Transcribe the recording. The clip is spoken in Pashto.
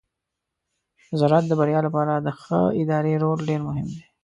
د زراعت د بریا لپاره د ښه ادارې رول ډیر مهم دی.